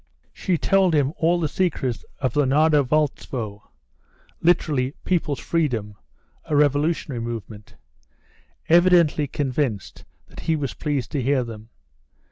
She told him all the secrets of the Nardovolstvo, [literally, "People's Freedom," a revolutionary movement] evidently convinced that he was pleased to hear them.